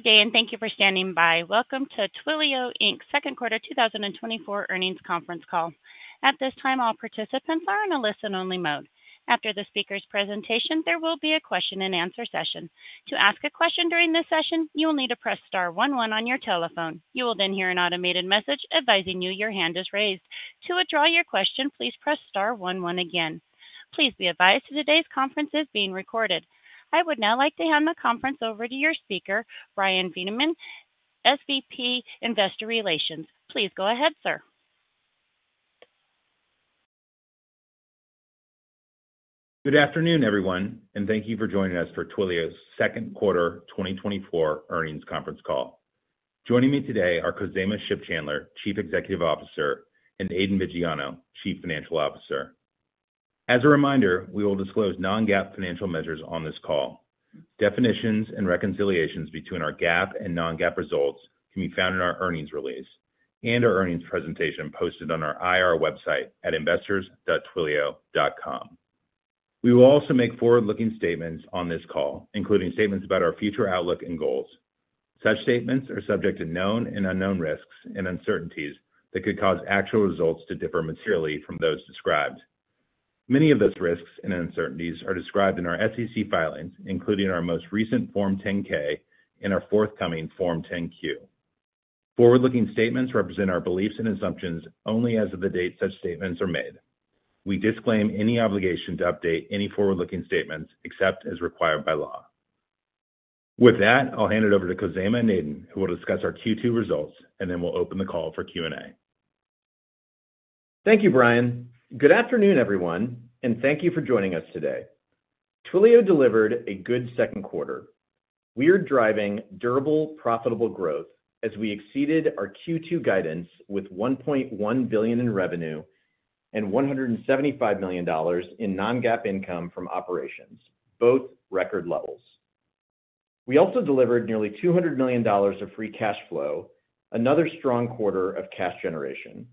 Good day, and thank you for standing by. Welcome to Twilio Inc's Second Quarter 2024 Earnings Conference Call. At this time, all participants are in a listen-only mode. After the speaker's presentation, there will be a question-and-answer session. To ask a question during this session, you will need to press star one one on your telephone. You will then hear an automated message advising you your hand is raised. To withdraw your question, please press star one one again. Please be advised today's conference is being recorded. I would now like to hand the conference over to your speaker, Bryan Vaniman, SVP, Investor Relations. Please go ahead, sir. Good afternoon, everyone, and thank you for joining us for Twilio's Second Quarter 2024 Earnings Conference Call. Joining me today are Khozema Shipchandler, Chief Executive Officer, and Aidan Viggiano, Chief Financial Officer. As a reminder, we will disclose non-GAAP financial measures on this call. Definitions and reconciliations between our GAAP and non-GAAP results can be found in our earnings release and our earnings presentation posted on our IR website at investors.twilio.com. We will also make forward-looking statements on this call, including statements about our future outlook and goals. Such statements are subject to known and unknown risks and uncertainties that could cause actual results to differ materially from those described. Many of those risks and uncertainties are described in our SEC filings, including our most recent Form 10-K and our forthcoming Form 10-Q. Forward-looking statements represent our beliefs and assumptions only as of the date such statements are made. We disclaim any obligation to update any forward-looking statements except as required by law. With that, I'll hand it over to Khozema and Aidan, who will discuss our Q2 results, and then we'll open the call for Q&A. Thank you, Bryan. Good afternoon, everyone, and thank you for joining us today. Twilio delivered a good second quarter. We are driving durable, profitable growth as we exceeded our Q2 guidance with $1.1 billion in revenue and $175 million in non-GAAP income from operations, both record levels. We also delivered nearly $200 million of free cash flow, another strong quarter of cash generation.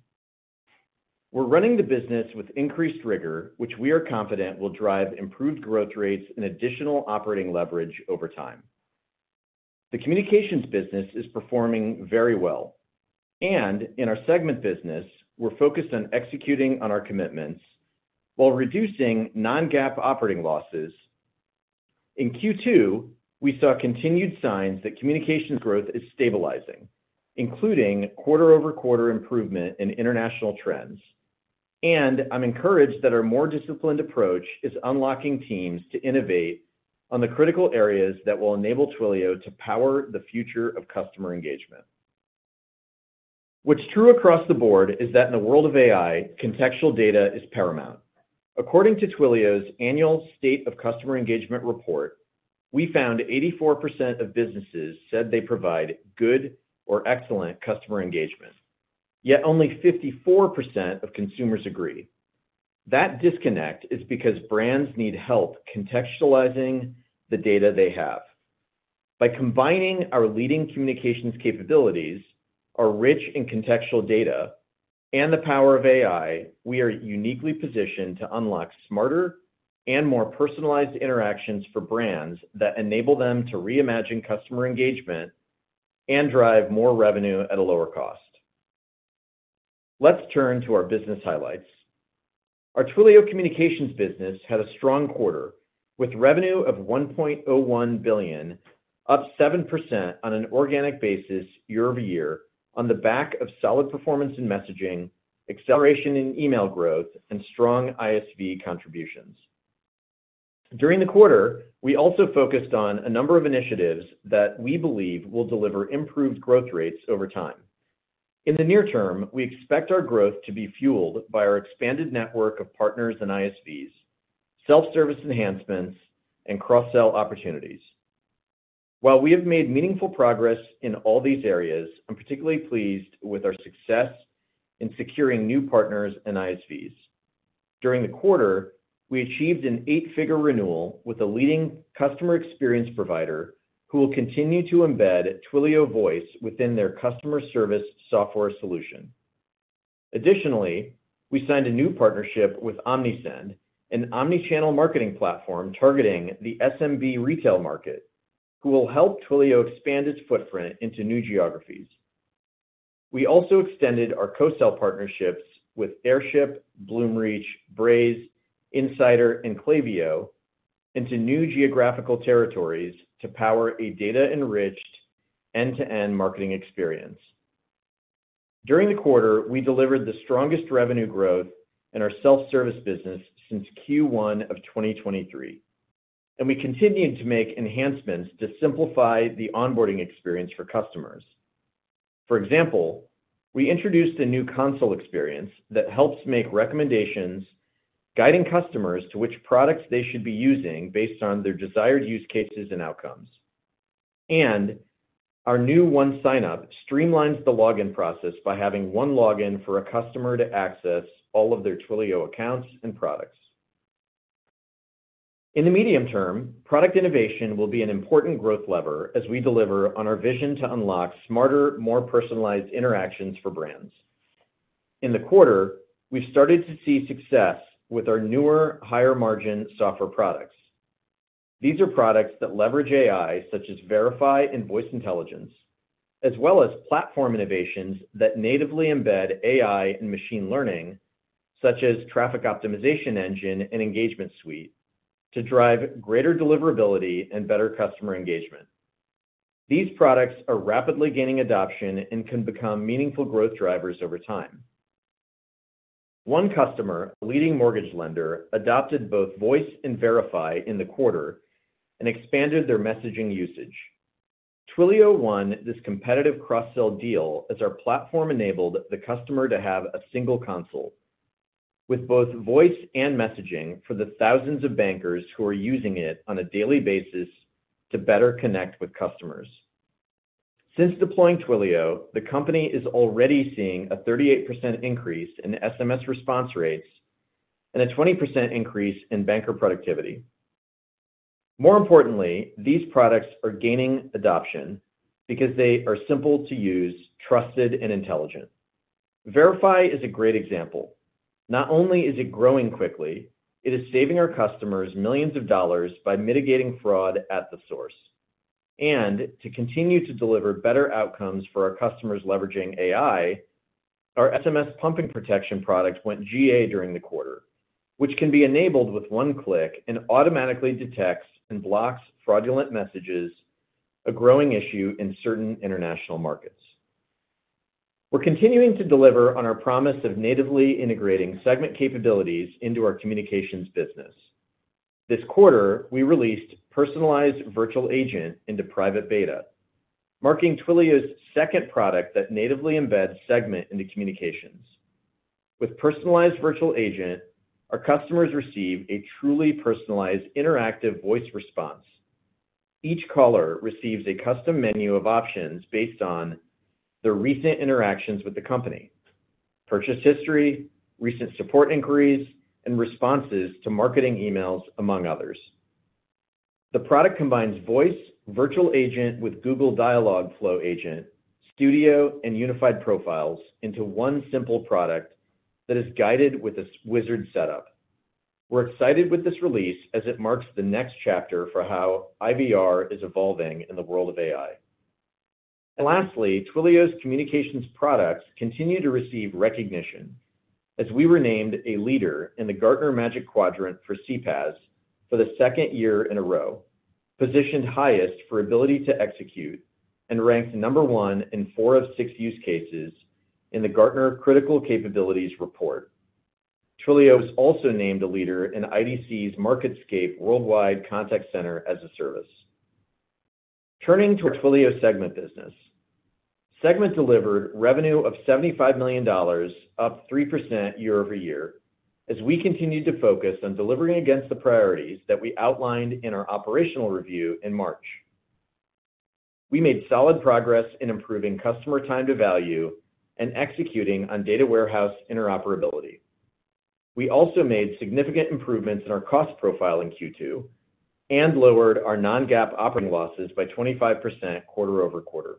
We're running the business with increased rigor, which we are confident will drive improved growth rates and additional operating leverage over time. The communications business is performing very well, and in our segment business, we're focused on executing on our commitments while reducing non-GAAP operating losses. In Q2, we saw continued signs that communications growth is stabilizing, including quarter-over-quarter improvement in international trends. I'm encouraged that our more disciplined approach is unlocking teams to innovate on the critical areas that will enable Twilio to power the future of customer engagement. What's true across the board is that in the world of AI, contextual data is paramount. According to Twilio's annual State of Customer Engagement report, we found 84% of businesses said they provide good or excellent customer engagement, yet only 54% of consumers agree. That disconnect is because brands need help contextualizing the data they have. By combining our leading communications capabilities, our rich and contextual data, and the power of AI, we are uniquely positioned to unlock smarter and more personalized interactions for brands that enable them to reimagine customer engagement and drive more revenue at a lower cost. Let's turn to our business highlights. Our Twilio communications business had a strong quarter, with revenue of $1.01 billion, up 7% on an organic basis year-over-year, on the back of solid performance in messaging, acceleration in email growth, and strong ISV contributions. During the quarter, we also focused on a number of initiatives that we believe will deliver improved growth rates over time. In the near term, we expect our growth to be fueled by our expanded network of partners and ISVs, self-service enhancements, and cross-sell opportunities. While we have made meaningful progress in all these areas, I'm particularly pleased with our success in securing new partners and ISVs. During the quarter, we achieved an eight-figure renewal with a leading customer experience provider, who will continue to embed Twilio Voice within their customer service software solution. Additionally, we signed a new partnership with Omnisend, an omni-channel marketing platform targeting the SMB retail market, who will help Twilio expand its footprint into new geographies. We also extended our co-sell partnerships with Airship, Bloomreach, Braze, Insider, and Klaviyo into new geographical territories to power a data-enriched end-to-end marketing experience. During the quarter, we delivered the strongest revenue growth in our self-service business since Q1 of 2023, and we continued to make enhancements to simplify the onboarding experience for customers. For example, we introduced a new console experience that helps make recommendations, guiding customers to which products they should be using based on their desired use cases and outcomes. Our new One Signup streamlines the login process by having one login for a customer to access all of their Twilio accounts and products. In the medium term, product innovation will be an important growth lever as we deliver on our vision to unlock smarter, more personalized interactions for brands. In the quarter, we've started to see success with our newer, higher-margin software products. These are products that leverage AI, such as Verify and Voice Intelligence, as well as platform innovations that natively embed AI and machine learning, such as Traffic Optimization Engine and Engagement Suite, to drive greater deliverability and better customer engagement. These products are rapidly gaining adoption and can become meaningful growth drivers over time. One customer, a leading mortgage lender, adopted both Voice and Verify in the quarter and expanded their messaging usage. Twilio won this competitive cross-sell deal, as our platform enabled the customer to have a single console, with both voice and messaging for the thousands of bankers who are using it on a daily basis to better connect with customers. Since deploying Twilio, the company is already seeing a 38% increase in SMS response rates and a 20% increase in banker productivity. More importantly, these products are gaining adoption because they are simple to use, trusted, and intelligent. Verify is a great example. Not only is it growing quickly, it is saving our customers $ millions by mitigating fraud at the source. And to continue to deliver better outcomes for our customers leveraging AI, our SMS pumping protection product went GA during the quarter, which can be enabled with one click and automatically detects and blocks fraudulent messages, a growing issue in certain international markets. We're continuing to deliver on our promise of natively integrating Segment capabilities into our communications business. This quarter, we released Personalized Virtual Agent into private beta, marking Twilio's second product that natively embeds Segment into communications. With Personalized Virtual Agent, our customers receive a truly personalized interactive voice response. Each caller receives a custom menu of options based on their recent interactions with the company, purchase history, recent support inquiries, and responses to marketing emails, among others. The product combines Voice, Virtual Agent with Google Dialogflow agent, Studio, and Unified Profiles into one simple product that is guided with a setup wizard. We're excited with this release as it marks the next chapter for how IVR is evolving in the world of AI. Lastly, Twilio's communications products continue to receive recognition as we were named a leader in the Gartner Magic Quadrant for CPaaS for the second year in a row, positioned highest for ability to execute, and ranked number 1 in 4 of 6 use cases in the Gartner Critical Capabilities report. Twilio was also named a leader in IDC's MarketScape Worldwide Contact Center as a Service. Turning to our Twilio Segment business. Segment delivered revenue of $75 million, up 3% year-over-year, as we continued to focus on delivering against the priorities that we outlined in our operational review in March. We made solid progress in improving customer time to value and executing on data warehouse interoperability. We also made significant improvements in our cost profile in Q2, and lowered our non-GAAP operating losses by 25% quarter-over-quarter.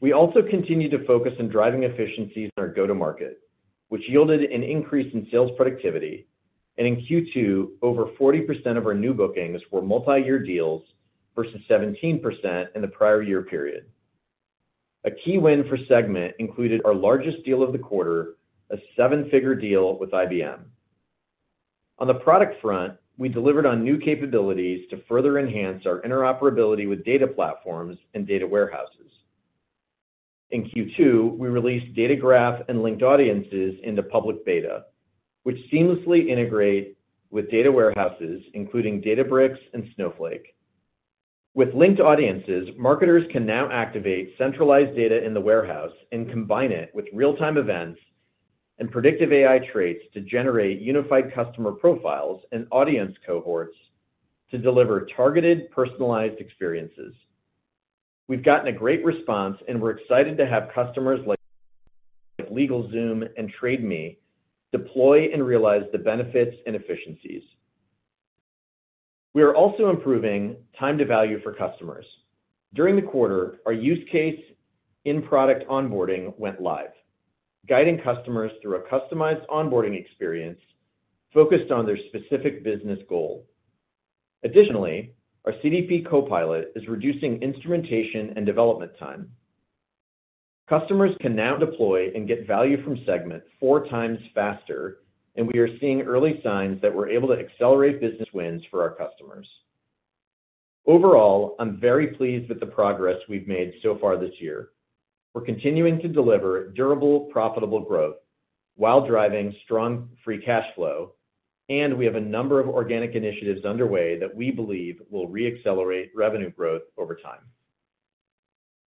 We also continued to focus on driving efficiencies in our go-to-market, which yielded an increase in sales productivity, and in Q2, over 40% of our new bookings were multiyear deals versus 17% in the prior year period. A key win for Segment included our largest deal of the quarter, a seven-figure deal with IBM. On the product front, we delivered on new capabilities to further enhance our interoperability with data platforms and data warehouses. In Q2, we released Data Graph and Linked Audiences into public beta, which seamlessly integrate with data warehouses, including Databricks and Snowflake. With Linked Audiences, marketers can now activate centralized data in the warehouse and combine it with real-time events and predictive AI traits to generate unified customer profiles and audience cohorts to deliver targeted, personalized experiences. We've gotten a great response, and we're excited to have customers like LegalZoom and Trade Me deploy and realize the benefits and efficiencies. We are also improving time to value for customers. During the quarter, our use case in product onboarding went live, guiding customers through a customized onboarding experience focused on their specific business goal. Additionally, our CDP Copilot is reducing instrumentation and development time. Customers can now deploy and get value from Segment four times faster, and we are seeing early signs that we're able to accelerate business wins for our customers. Overall, I'm very pleased with the progress we've made so far this year. We're continuing to deliver durable, profitable growth while driving strong free cash flow, and we have a number of organic initiatives underway that we believe will re-accelerate revenue growth over time.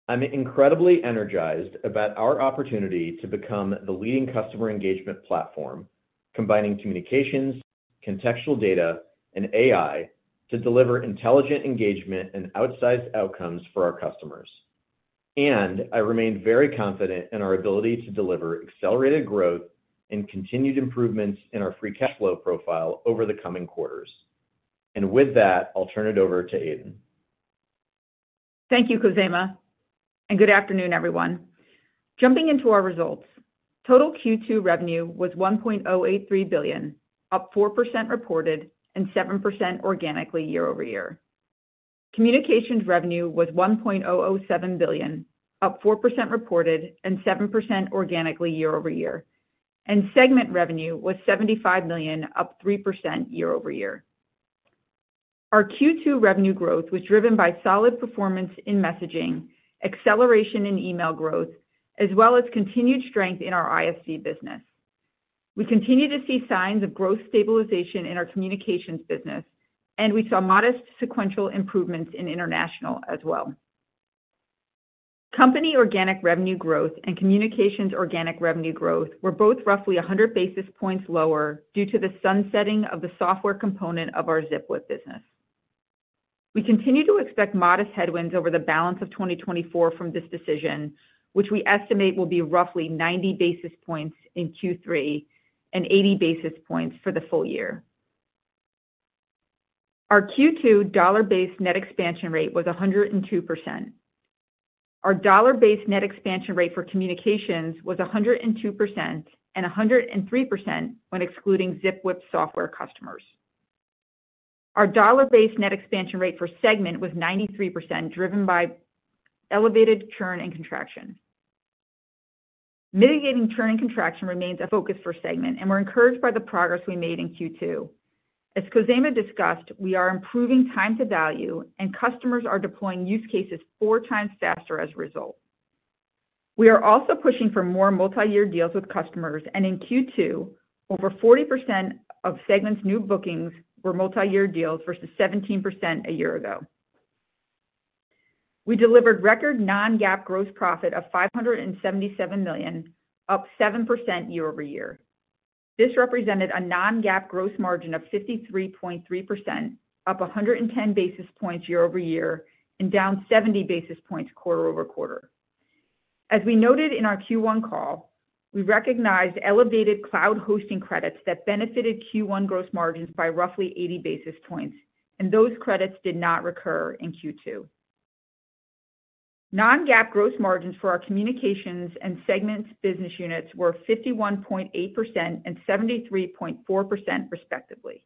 I'm incredibly energized about our opportunity to become the leading customer engagement platform, combining communications, contextual data, and AI to deliver intelligent engagement and outsized outcomes for our customers. I remain very confident in our ability to deliver accelerated growth and continued improvements in our free cash flow profile over the coming quarters. With that, I'll turn it over to Aidan. Thank you, Khozema, and good afternoon, everyone. Jumping into our results, total Q2 revenue was $1.083 billion, up 4% reported and 7% organically year-over-year. Communications revenue was $1.07 billion, up 4% reported and 7% organically year-over-year, and Segment revenue was $75 million, up 3% year-over-year. Our Q2 revenue growth was driven by solid performance in messaging, acceleration in email growth, as well as continued strength in our ISV business. We continue to see signs of growth stabilization in our communications business, and we saw modest sequential improvements in international as well. Company organic revenue growth and communications organic revenue growth were both roughly 100 basis points lower due to the sunsetting of the software component of our Zipwhip business. We continue to expect modest headwinds over the balance of 2024 from this decision, which we estimate will be roughly 90 basis points in Q3 and 80 basis points for the full year. Our Q2 dollar-based net expansion rate was 102%. Our dollar-based net expansion rate for communications was 102% and 103% when excluding Zipwhip software customers. Our dollar-based net expansion rate for Segment was 93%, driven by elevated churn and contraction. Mitigating churn and contraction remains a focus for Segment, and we're encouraged by the progress we made in Q2. As Khozema discussed, we are improving time to value, and customers are deploying use cases 4 times faster as a result. We are also pushing for more multi-year deals with customers, and in Q2, over 40% of Segment's new bookings were multi-year deals, versus 17% a year ago. We delivered record non-GAAP gross profit of $577 million, up 7% year-over-year. This represented a non-GAAP gross margin of 53.3%, up 110 basis points year-over-year and down 70 basis points quarter over quarter. As we noted in our Q1 call, we recognized elevated cloud hosting credits that benefited Q1 gross margins by roughly 80 basis points, and those credits did not recur in Q2. Non-GAAP gross margins for our Communications and Segment business units were 51.8% and 73.4%, respectively.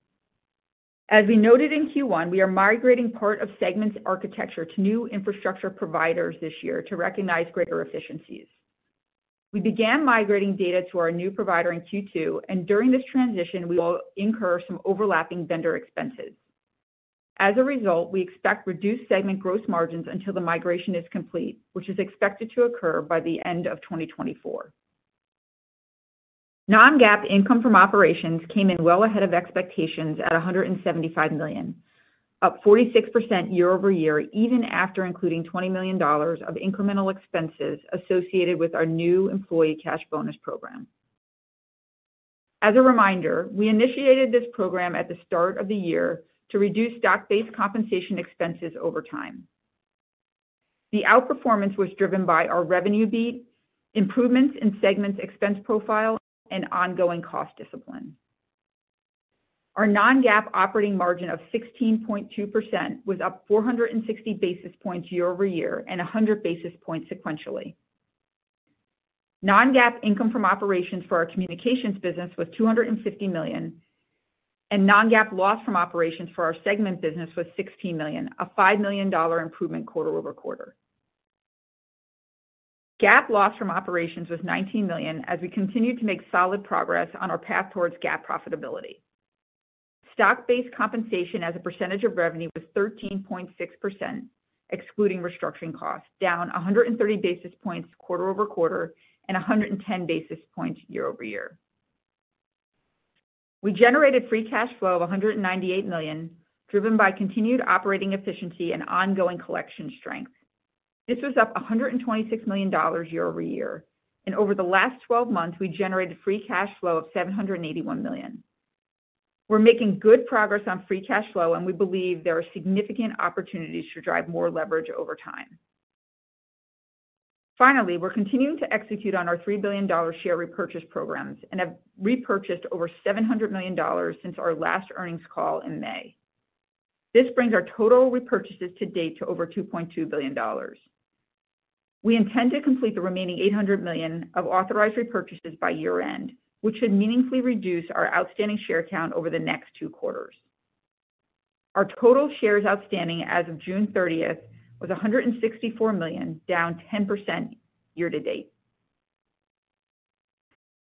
As we noted in Q1, we are migrating part of Segment's architecture to new infrastructure providers this year to recognize greater efficiencies. We began migrating data to our new provider in Q2, and during this transition, we will incur some overlapping vendor expenses. As a result, we expect reduced segment gross margins until the migration is complete, which is expected to occur by the end of 2024. Non-GAAP income from operations came in well ahead of expectations at $175 million, up 46% year-over-year, even after including $20 million of incremental expenses associated with our new employee cash bonus program. As a reminder, we initiated this program at the start of the year to reduce stock-based compensation expenses over time. The outperformance was driven by our revenue beat, improvements in segments, expense profile and ongoing cost discipline. Our non-GAAP operating margin of 16.2% was up 460 basis points year-over-year and 100 basis points sequentially. Non-GAAP income from operations for our communications business was $250 million, and non-GAAP loss from operations for our segment business was $16 million, a $5 million improvement quarter-over-quarter. GAAP loss from operations was $19 million as we continued to make solid progress on our path towards GAAP profitability. Stock-based compensation as a percentage of revenue was 13.6%, excluding restructuring costs, down 130 basis points quarter-over-quarter and 110 basis points year-over-year. We generated free cash flow of $198 million, driven by continued operating efficiency and ongoing collection strength. This was up $126 million year-over-year, and over the last twelve months, we generated free cash flow of $781 million. We're making good progress on free cash flow, and we believe there are significant opportunities to drive more leverage over time. Finally, we're continuing to execute on our $3 billion share repurchase programs and have repurchased over $700 million since our last earnings call in May. This brings our total repurchases to date to over $2.2 billion. We intend to complete the remaining $800 million of authorized repurchases by year-end, which should meaningfully reduce our outstanding share count over the next two quarters. Our total shares outstanding as of June 30 was 164 million, down 10% year-to-date.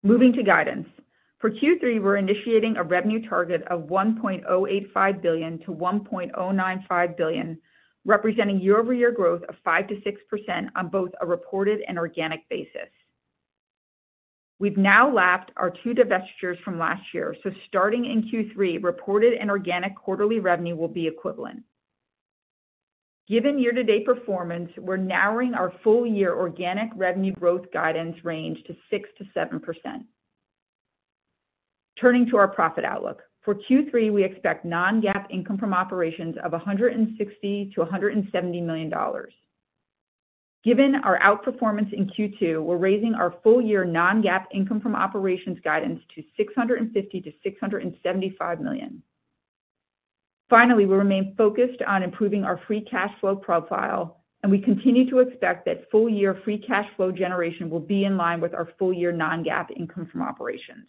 Moving to guidance. For Q3, we're initiating a revenue target of $1.085 billion-$1.095 billion, representing year-over-year growth of 5%-6% on both a reported and organic basis. We've now lapped our 2 divestitures from last year, so starting in Q3, reported and organic quarterly revenue will be equivalent. Given year-to-date performance, we're narrowing our full year organic revenue growth guidance range to 6%-7%. Turning to our profit outlook. For Q3, we expect non-GAAP income from operations of $160 million-$170 million.... Given our outperformance in Q2, we're raising our full-year non-GAAP income from operations guidance to $650 million-$675 million. Finally, we remain focused on improving our free cash flow profile, and we continue to expect that full-year free cash flow generation will be in line with our full-year non-GAAP income from operations.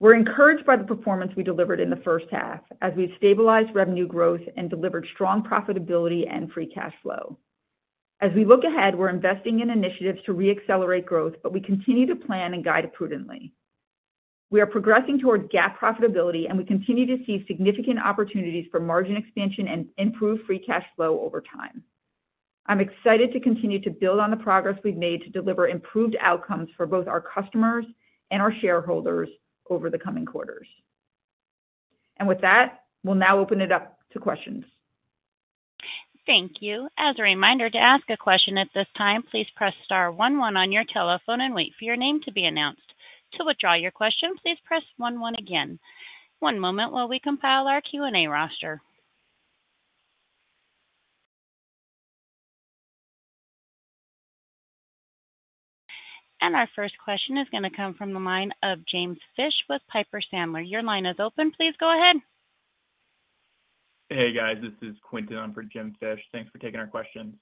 We're encouraged by the performance we delivered in the first half as we've stabilized revenue growth and delivered strong profitability and free cash flow. As we look ahead, we're investing in initiatives to reaccelerate growth, but we continue to plan and guide prudently. We are progressing toward GAAP profitability, and we continue to see significant opportunities for margin expansion and improved free cash flow over time. I'm excited to continue to build on the progress we've made to deliver improved outcomes for both our customers and our shareholders over the coming quarters. With that, we'll now open it up to questions. Thank you. As a reminder, to ask a question at this time, please press star one one on your telephone and wait for your name to be announced. To withdraw your question, please press one one again. One moment while we compile our Q&A roster. Our first question is going to come from the line of James Fish with Piper Sandler. Your line is open. Please go ahead. Hey, guys, this is Quinton on for James Fish. Thanks for taking our question.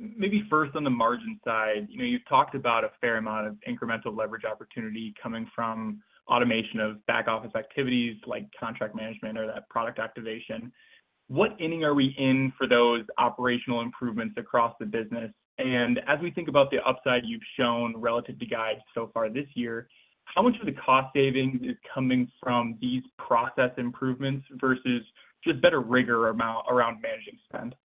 Maybe first on the margin side, you know, you've talked about a fair amount of incremental leverage opportunity coming from automation of back-office activities like contract management or that product activation. What inning are we in for those operational improvements across the business? And as we think about the upside you've shown relative to guides so far this year, how much of the cost saving is coming from these process improvements versus just better rigor amount around managing spend?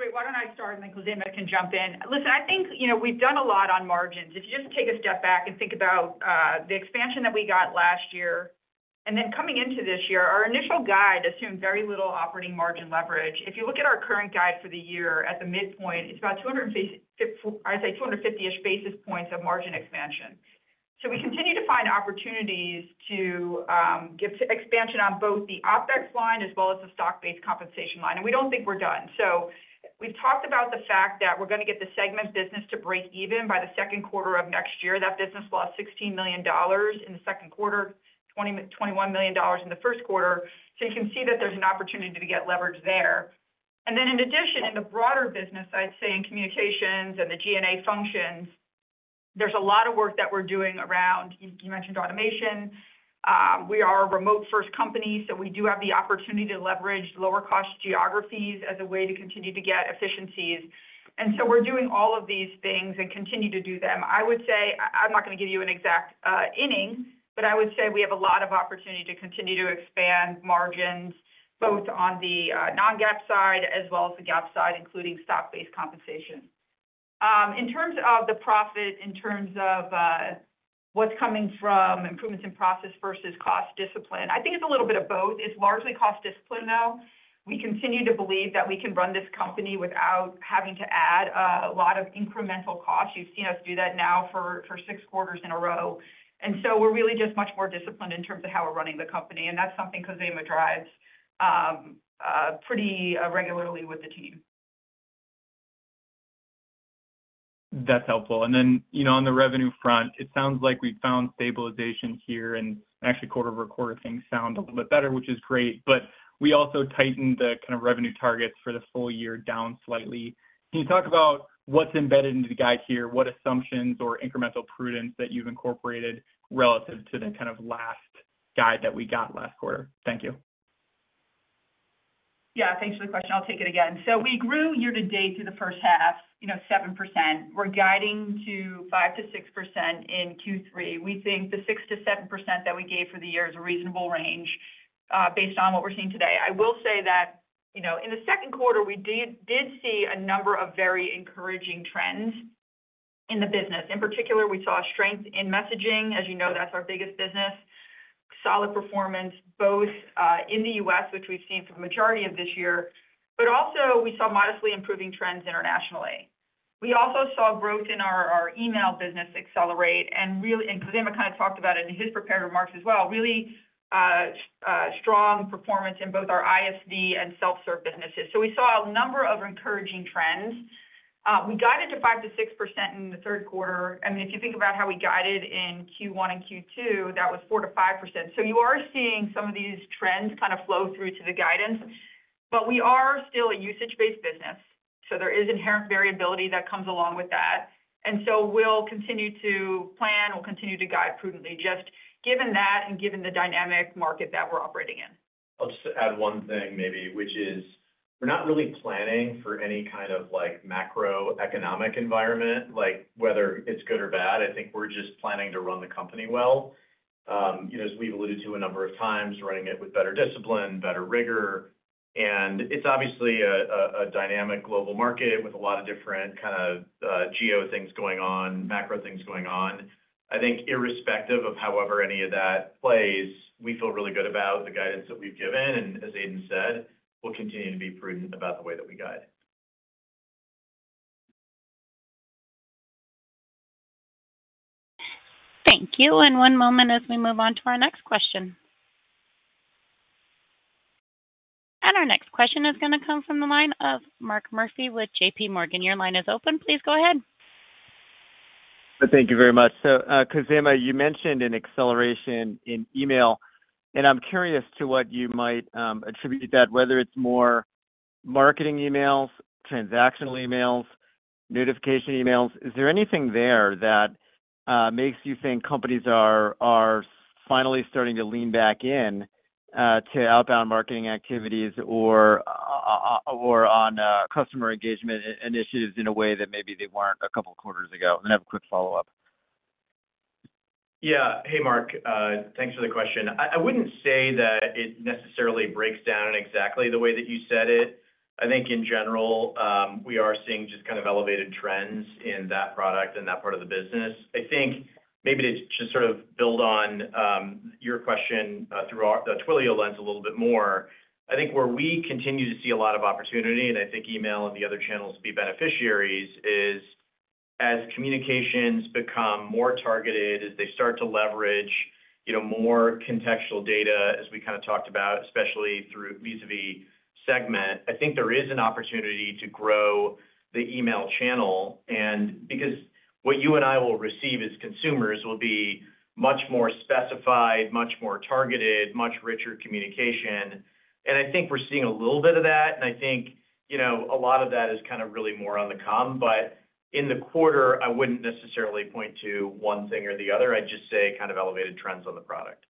Wait, why don't I start, and then Khozema can jump in. Listen, I think, you know, we've done a lot on margins. If you just take a step back and think about the expansion that we got last year, and then coming into this year, our initial guide assumed very little operating margin leverage. If you look at our current guide for the year at the midpoint, it's about 250, I'd say 250-ish basis points of margin expansion. So we continue to find opportunities to get expansion on both the OpEx line as well as the stock-based compensation line, and we don't think we're done. So we've talked about the fact that we're going to get the segment business to break even by the second quarter of next year. That business lost $16 million in the second quarter, $21 million in the first quarter. So you can see that there's an opportunity to get leverage there. And then in addition, in the broader business, I'd say in communications and the G&A functions, there's a lot of work that we're doing around, you mentioned automation. We are a remote-first company, so we do have the opportunity to leverage lower-cost geographies as a way to continue to get efficiencies. And so we're doing all of these things and continue to do them. I would say, I'm not going to give you an exact inning, but I would say we have a lot of opportunity to continue to expand margins, both on the non-GAAP side as well as the GAAP side, including stock-based compensation. In terms of the profit, what's coming from improvements in process versus cost discipline, I think it's a little bit of both. It's largely cost discipline, though. We continue to believe that we can run this company without having to add a lot of incremental costs. You've seen us do that now for six quarters in a row, and so we're really just much more disciplined in terms of how we're running the company, and that's something Khozema drives pretty regularly with the team. That's helpful. And then, you know, on the revenue front, it sounds like we found stabilization here, and actually, quarter over quarter, things sound a little bit better, which is great, but we also tightened the kind of revenue targets for the full year down slightly. Can you talk about what's embedded into the guide here? What assumptions or incremental prudence that you've incorporated relative to the kind of last guide that we got last quarter? Thank you. Yeah, thanks for the question. I'll take it again. So we grew year to date through the first half, you know, 7%. We're guiding to 5%-6% in Q3. We think the 6%-7% that we gave for the year is a reasonable range, based on what we're seeing today. I will say that, you know, in the second quarter, we did see a number of very encouraging trends in the business. In particular, we saw strength in messaging. As you know, that's our biggest business. Solid performance, both in the U.S., which we've seen for the majority of this year, but also we saw modestly improving trends internationally. We also saw growth in our email business accelerate and really, and Khozema kind of talked about it in his prepared remarks as well, really strong performance in both our ISD and self-serve businesses. So we saw a number of encouraging trends. We guided to 5%-6% in the third quarter, and if you think about how we guided in Q1 and Q2, that was 4%-5%. So you are seeing some of these trends kind of flow through to the guidance, but we are still a usage-based business, so there is inherent variability that comes along with that. And so we'll continue to plan, we'll continue to guide prudently, just given that and given the dynamic market that we're operating in. I'll just add one thing maybe, which is we're not really planning for any kind of, like, macroeconomic environment, like, whether it's good or bad. I think we're just planning to run the company well. You know, as we've alluded to a number of times, running it with better discipline, better rigor, and it's obviously a dynamic global market with a lot of different kind of geo things going on, macro things going on. I think irrespective of however any of that plays, we feel really good about the guidance that we've given, and as Aidan said, we'll continue to be prudent about the way that we guide. Thank you. And one moment as we move on to our next question. And our next question is going to come from the line of Mark Murphy with J.P. Morgan. Your line is open. Please go ahead. Thank you very much. So, Khozema, you mentioned an acceleration in email, and I'm curious to what you might attribute that, whether it's more marketing emails, transactional emails, notification emails. Is there anything there that makes you think companies are finally starting to lean back in to outbound marketing activities or on customer engagement initiatives in a way that maybe they weren't a couple of quarters ago? And I have a quick follow-up. Yeah. Hey, Mark, thanks for the question. I wouldn't say that it necessarily breaks down in exactly the way that you said it. I think in general, we are seeing just kind of elevated trends in that product and that part of the business. I think maybe to just sort of build on your question, through the Twilio lens a little bit more, I think where we continue to see a lot of opportunity, and I think email and the other channels be beneficiaries, is as communications become more targeted, as they start to leverage, you know, more contextual data, as we kind of talked about, especially through vis-a-vis Segment, I think there is an opportunity to grow the email channel. And because what you and I will receive as consumers will be much more specified, much more targeted, much richer communication. I think we're seeing a little bit of that, and I think, you know, a lot of that is kind of really more on the come, but in the quarter, I wouldn't necessarily point to one thing or the other. I'd just say kind of elevated trends on the product.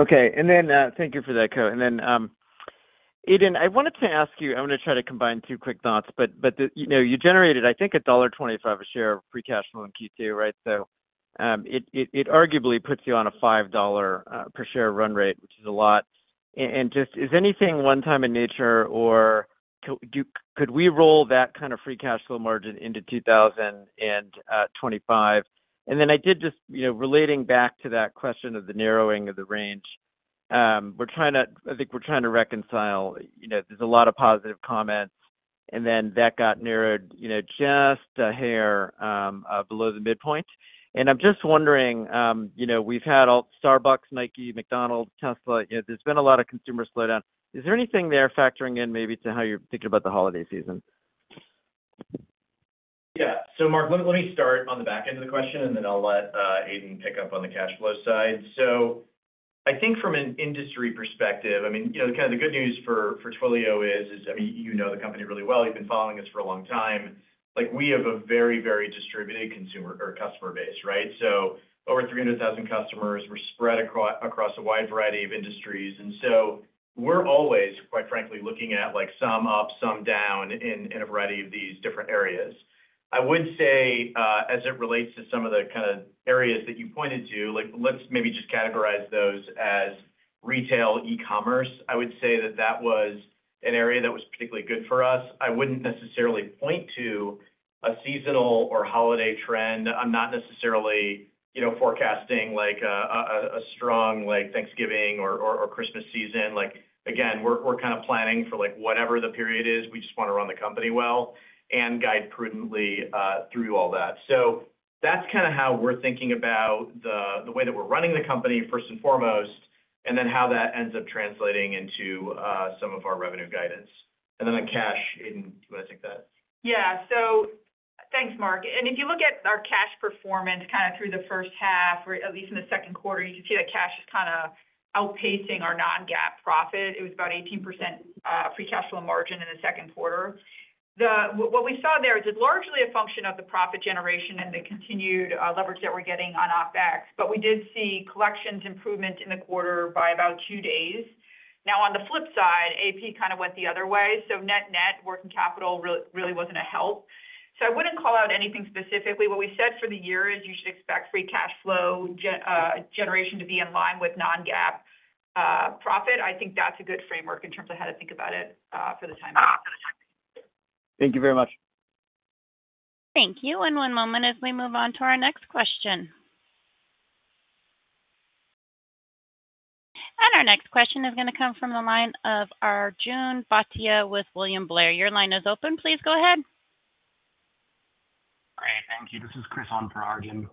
Okay. And then, thank you for that, Ko. And then, Aidan, I wanted to ask you. I want to try to combine two quick thoughts, but, you know, you generated, I think, $1.25 a share of free cash flow in Q2, right? So, it arguably puts you on a $5 per share run rate, which is a lot. And just, is anything one time in nature, or could we roll that kind of free cash flow margin into 2025? And then I did just, you know, relating back to that question of the narrowing of the range, we're trying to. I think we're trying to reconcile, you know, there's a lot of positive comments, and then that got narrowed, you know, just a hair below the midpoint. I'm just wondering, you know, we've had all Starbucks, Nike, McDonald's, Tesla, you know, there's been a lot of consumer slowdown. Is there anything there factoring in maybe to how you're thinking about the holiday season? Yeah. So Mark, let me, let me start on the back end of the question, and then I'll let Aidan pick up on the cash flow side. So I think from an industry perspective, I mean, you know, kind of the good news for Twilio is, I mean, you know the company really well. You've been following us for a long time. Like, we have a very, very distributed consumer or customer base, right? So over 300,000 customers, we're spread across a wide variety of industries. And so we're always, quite frankly, looking at like, some up, some down in a variety of these different areas. I would say, as it relates to some of the kind of areas that you pointed to, like let's maybe just categorize those as retail e-commerce. I would say that that was an area that was particularly good for us. I wouldn't necessarily point to a seasonal or holiday trend. I'm not necessarily, you know, forecasting like a strong, like Thanksgiving or Christmas season. Like, again, we're kind of planning for like, whatever the period is, we just want to run the company well and guide prudently through all that. So that's kind of how we're thinking about the way that we're running the company, first and foremost, and then how that ends up translating into some of our revenue guidance. And then on cash, Aidan, do you want to take that? Yeah. So thanks, Mark. And if you look at our cash performance kind of through the first half, or at least in the second quarter, you can see that cash is kind of outpacing our non-GAAP profit. It was about 18% free cash flow margin in the second quarter. What we saw there is it's largely a function of the profit generation and the continued leverage that we're getting on OpEx, but we did see collections improvement in the quarter by about two days. Now, on the flip side, AP kind of went the other way, so net net, working capital really wasn't a help. So I wouldn't call out anything specifically. What we said for the year is you should expect free cash flow generation to be in line with non-GAAP profit. I think that's a good framework in terms of how to think about it, for the time being. Thank you very much. Thank you. One moment as we move on to our next question. Our next question is going to come from the line of Arjun Bhatia with William Blair. Your line is open. Please go ahead. Great, thank you. This is Chris on for Arjun.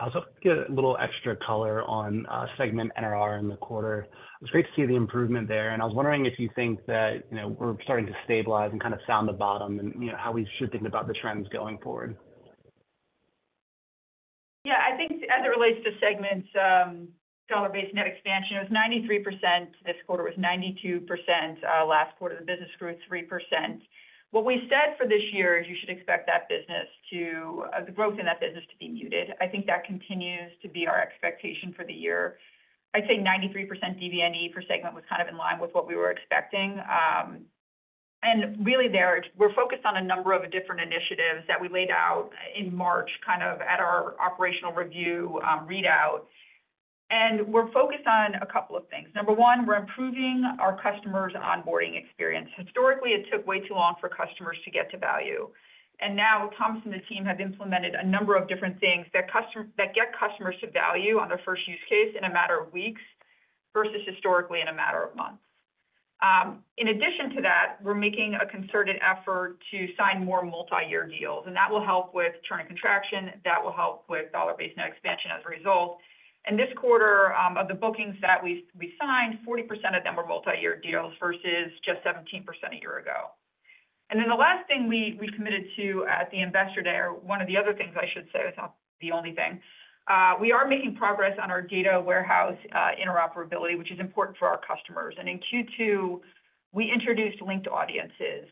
I was hoping to get a little extra color on Segment NRR in the quarter. It was great to see the improvement there, and I was wondering if you think that, you know, we're starting to stabilize and kind of sound the bottom and, you know, how we should think about the trends going forward. Yeah, I think as it relates to Segment, dollar-based net expansion, it was 93% this quarter, it was 92%, last quarter, the business grew 3%. What we said for this year is you should expect that business to, the growth in that business to be muted. I think that continues to be our expectation for the year. I'd say 93% DBNE for Segment was kind of in line with what we were expecting. And really there, we're focused on a number of different initiatives that we laid out in March, kind of at our operational review, readout. And we're focused on a couple of things. Number one, we're improving our customers' onboarding experience. Historically, it took way too long for customers to get to value. Now, Thomas and the team have implemented a number of different things that get customers to value on their first use case in a matter of weeks, versus historically in a matter of months. In addition to that, we're making a concerted effort to sign more multi-year deals, and that will help with churn and contraction, that will help with dollar-based net expansion as a result. This quarter, of the bookings that we, we signed, 40% of them were multi-year deals, versus just 17% a year ago. Then the last thing we, we committed to at the investor day, or one of the other things, I should say, it's not the only thing. We are making progress on our data warehouse interoperability, which is important for our customers. And in Q2, we introduced Linked Audiences.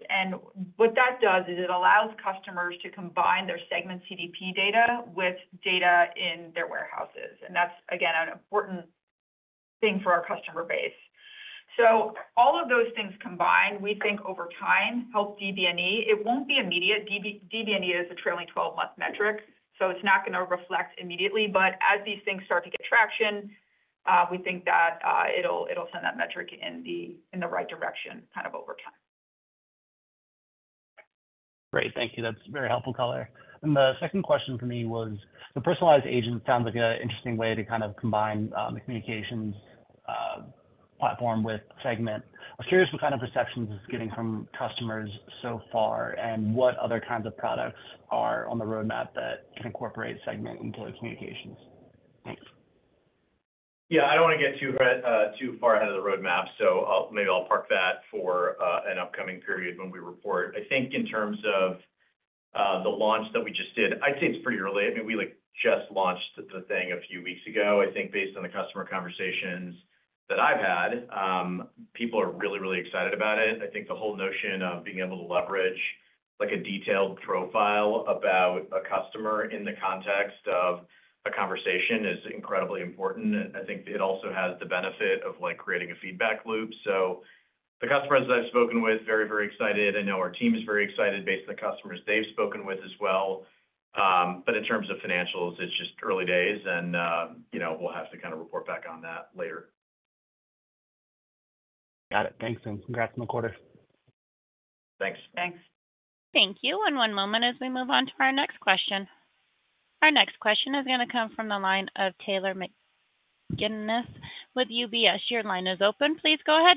What that does is it allows customers to combine their Segment CDP data with data in their warehouses, and that's, again, an important thing for our customer base. So all of those things combined, we think over time, help DBNE. It won't be immediate. DB, DBNE is a trailing twelve-month metric, so it's not going to reflect immediately, but as these things start to get traction, we think that, it'll send that metric in the right direction, kind of over time. Great. Thank you. That's a very helpful color. The second question for me was, the personalized agent sounds like an interesting way to kind of combine, the communications, platform with Segment. I'm curious what kind of perceptions it's getting from customers so far, and what other kinds of products are on the roadmap that can incorporate Segment into the communications? Thanks. Yeah, I don't want to get too far ahead of the roadmap, so maybe I'll park that for an upcoming period when we report. I think in terms of the launch that we just did, I'd say it's pretty early. I mean, we, like, just launched the thing a few weeks ago. I think based on the customer conversations that I've had, people are really, really excited about it. I think the whole notion of being able to leverage, like, a detailed profile about a customer in the context of a conversation is incredibly important. I think it also has the benefit of, like, creating a feedback loop. So the customers that I've spoken with, very, very excited. I know our team is very excited based on the customers they've spoken with as well. But in terms of financials, it's just early days and, you know, we'll have to kind of report back on that later. Got it. Thanks, and congrats on the quarter. Thanks. Thanks. Thank you. One moment as we move on to our next question. Our next question is going to come from the line of Taylor McGinnis with UBS. Your line is open. Please go ahead.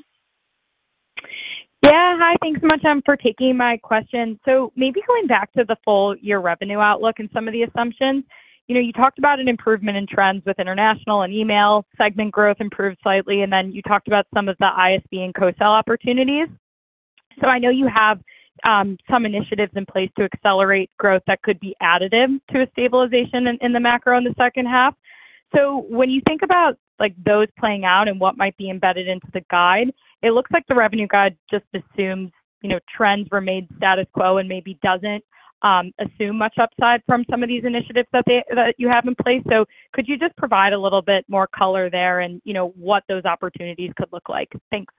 Yeah, hi. Thanks so much for taking my question. So maybe going back to the full year revenue outlook and some of the assumptions, you know, you talked about an improvement in trends with International and Email, Segment growth improved slightly, and then you talked about some of the ISV and co-sell opportunities. So I know you have some initiatives in place to accelerate growth that could be additive to a stabilization in the macro in the second half. So when you think about, like, those playing out and what might be embedded into the guide, it looks like the revenue guide just assumes, you know, trends remain status quo and maybe doesn't assume much upside from some of these initiatives that you have in place. Could you just provide a little bit more color there and, you know, what those opportunities could look like? Thanks.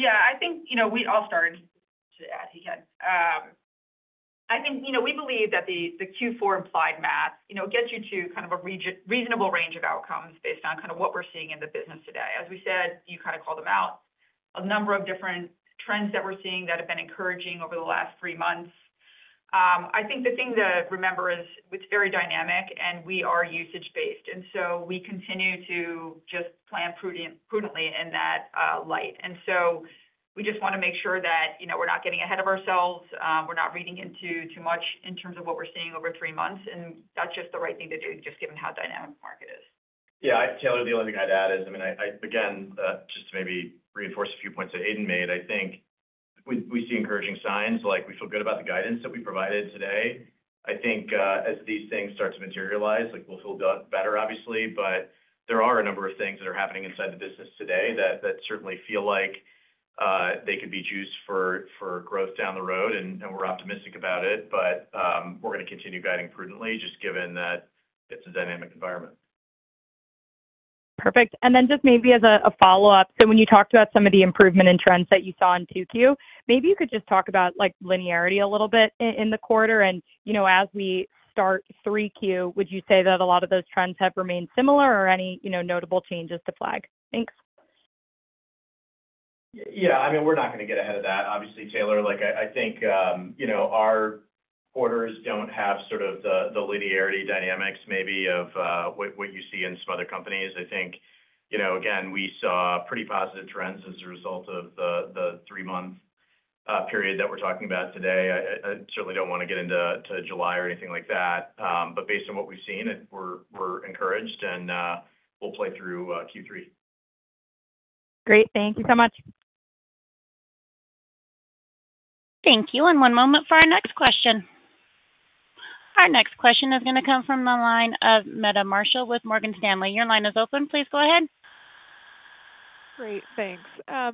Yeah, I think, you know, I'll start again. I think, you know, we believe that the Q4 implied math, you know, gets you to kind of a reasonable range of outcomes based on kind of what we're seeing in the business today. As we said, you kind of called them out, a number of different trends that we're seeing that have been encouraging over the last three months. I think the thing to remember is it's very dynamic and we are usage-based, and so we continue to just plan prudently in that light. And so we just want to make sure that, you know, we're not getting ahead of ourselves, we're not reading into too much in terms of what we're seeing over three months, and that's just the right thing to do, just given how dynamic the market is. Yeah, Taylor, the only thing I'd add is, I mean, again, just to maybe reinforce a few points that Aidan made, I think we see encouraging signs, like we feel good about the guidance that we provided today. I think, as these things start to materialize, like, we'll feel a lot better, obviously, but there are a number of things that are happening inside the business today that certainly feel like they could be juice for growth down the road, and we're optimistic about it. But, we're going to continue guiding prudently, just given that it's a dynamic environment. Perfect. And then just maybe as a follow-up, so when you talked about some of the improvement in trends that you saw in 2Q, maybe you could just talk about, like, linearity a little bit in the quarter. And, you know, as we start 3Q, would you say that a lot of those trends have remained similar or any, you know, notable changes to flag? Thanks. Yeah, I mean, we're not going to get ahead of that, obviously, Taylor. Like, I think, you know, our quarters don't have sort of the linearity dynamics maybe of what you see in some other companies. I think, you know, again, we saw pretty positive trends as a result of the three-month period that we're talking about today. I certainly don't want to get into July or anything like that. But based on what we've seen, we're encouraged, and we'll play through Q3. Great. Thank you so much. Thank you. One moment for our next question. Our next question is going to come from the line of Meta Marshall with Morgan Stanley. Your line is open. Please go ahead. Great, thanks. I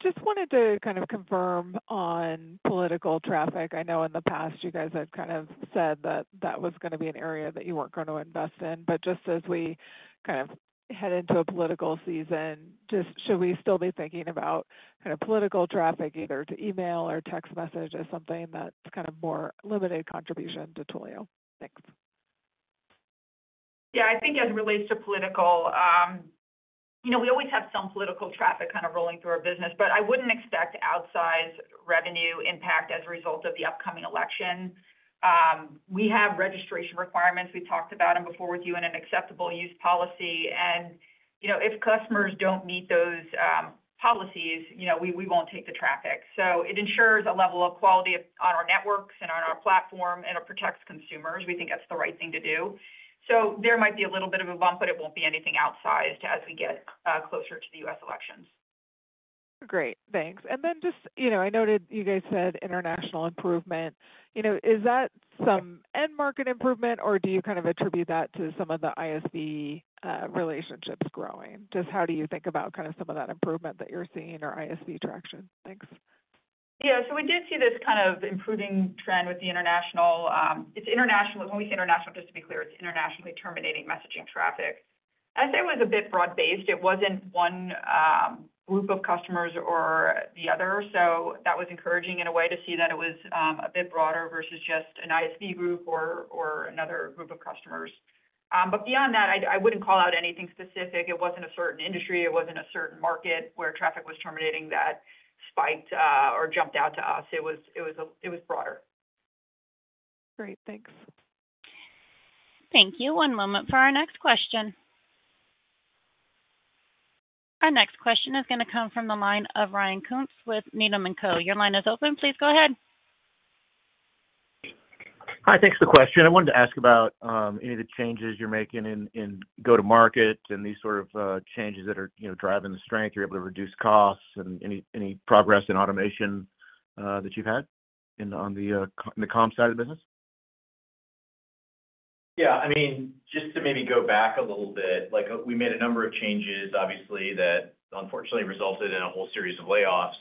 just wanted to kind of confirm on political traffic. I know in the past you guys have kind of said that that was going to be an area that you weren't going to invest in, but just as we kind of head into a political season, just should we still be thinking about kind of political traffic, either to email or text message, as something that's kind of more limited contribution to Twilio? Thanks. Yeah, I think as it relates to political, you know, we always have some political traffic kind of rolling through our business, but I wouldn't expect outsized revenue impact as a result of the upcoming election. We have registration requirements, we talked about them before with you, and an acceptable use policy. And, you know, if customers don't meet those policies, you know, we, we won't take the traffic. So it ensures a level of quality of, on our networks and on our platform, and it protects consumers. We think that's the right thing to do. So there might be a little bit of a bump, but it won't be anything outsized as we get closer to the U.S. elections. Great, thanks. And then just, you know, I noted you guys said international improvement. You know, is that some end market improvement, or do you kind of attribute that to some of the ISV relationships growing? Just how do you think about kind of some of that improvement that you're seeing or ISV traction? Thanks. Yeah, so we did see this kind of improving trend with the international. It's international—when we say international, just to be clear, it's internationally terminating messaging traffic. I'd say it was a bit broad-based. It wasn't one group of customers or the other. So that was encouraging in a way to see that it was a bit broader versus just an ISV group or another group of customers. But beyond that, I wouldn't call out anything specific. It wasn't a certain industry, it wasn't a certain market where traffic was terminating that spiked or jumped out to us. It was broader. Great. Thanks. Thank you. One moment for our next question. Our next question is going to come from the line of Ryan Koontz with Needham & Company. Your line is open. Please go ahead. Hi, thanks for the question. I wanted to ask about any of the changes you're making in go-to-market and these sort of changes that are, you know, driving the strength. You're able to reduce costs and any progress in automation that you've had in on the comms side of the business? Yeah, I mean, just to maybe go back a little bit, like, we made a number of changes, obviously, that unfortunately resulted in a whole series of layoffs,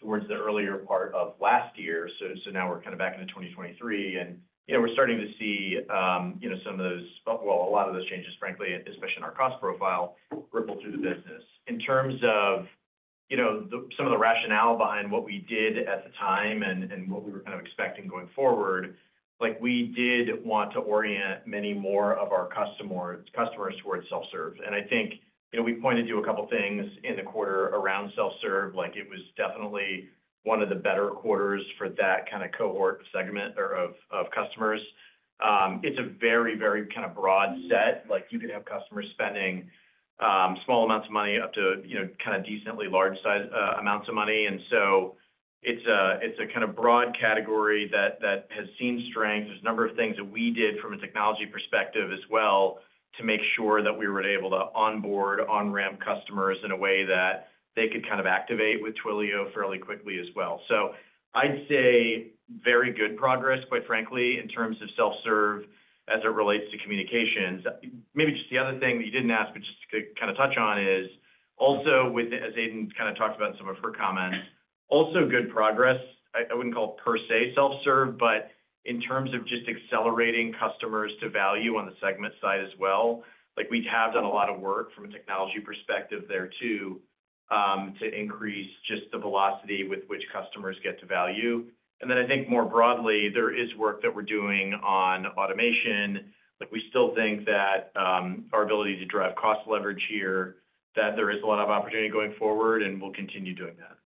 towards the earlier part of last year. So now we're kind of back into 2023, and, you know, we're starting to see, you know, some of those, well, a lot of those changes, frankly, especially in our cost profile, ripple through the business. In terms of, you know, the, some of the rationale behind what we did at the time and what we were kind of expecting going forward, like, we did want to orient many more of our customers towards self-serve. I think, you know, we pointed to a couple things in the quarter around self-serve, like it was definitely one of the better quarters for that kind of cohort segment or of customers. It's a very, very kind of broad set. Like, you could have customers spending small amounts of money up to, you know, kind of decently large size amounts of money. And so it's a kind of broad category that has seen strength. There's a number of things that we did from a technology perspective as well, to make sure that we were able to onboard, on-ramp customers in a way that they could kind of activate with Twilio fairly quickly as well. So I'd say very good progress, quite frankly, in terms of self-serve as it relates to communications. Maybe just the other thing that you didn't ask, but just to kind of touch on, is also with, as Aidan kind of talked about in some of her comments, also good progress. I wouldn't call it per se self-serve, but in terms of just accelerating customers to value on the Segment side as well, like, we have done a lot of work from a technology perspective there too, to increase just the velocity with which customers get to value. And then I think more broadly, there is work that we're doing on automation. Like, we still think that, our ability to drive cost leverage here, that there is a lot of opportunity going forward, and we'll continue doing that.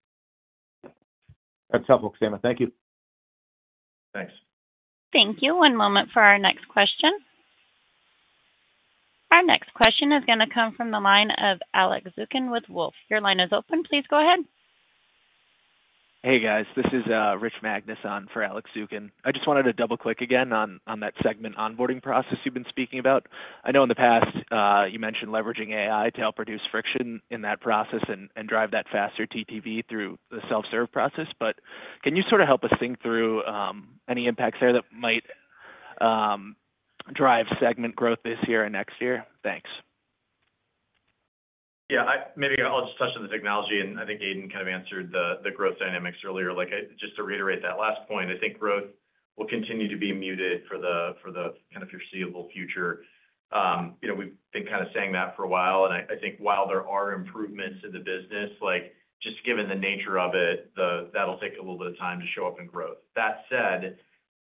That's helpful, Sama. Thank you. Thanks. Thank you. One moment for our next question. Our next question is going to come from the line of Alex Zukin with Wolfe. Your line is open. Please go ahead. Hey, guys, this is Rich Magnus on for Alex Zukin. I just wanted to double-click again on that Segment onboarding process you've been speaking about. I know in the past you mentioned leveraging AI to help reduce friction in that process and drive that faster TTV through the self-serve process. But can you sort of help us think through any impacts there that might drive Segment growth this year and next year? Thanks. Yeah, I maybe I'll just touch on the technology, and I think Aidan kind of answered the growth dynamics earlier. Like, just to reiterate that last point, I think growth will continue to be muted for the kind of foreseeable future. You know, we've been kind of saying that for a while, and I think while there are improvements in the business, like, just given the nature of it, that'll take a little bit of time to show up in growth. That said,